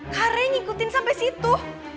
kak rey ngikutin sampai situ